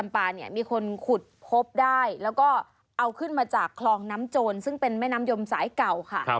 มีคนขุดพบได้แล้วก็เอาขึ้นมาจากคลองน้ำโจรซึ่งเป็นแม่น้ำยมสายเก่าค่ะ